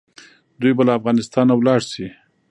دوی به له افغانستانه ولاړ سي.